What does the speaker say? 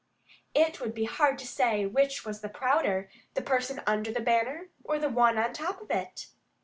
It would be hard to say which was the prouder the person under the banner or the one on top of it.